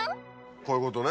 こういうことね。